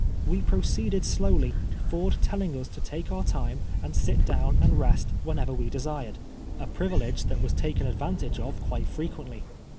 We proceeded slowly. Ford telling us to take our time and sit down and rest whenever we desired — a privilege that was taken advantage of (piite frequently.